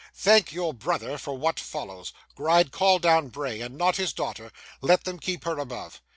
Thank your brother for what follows. Gride, call down Bray and not his daughter. Let them keep her above.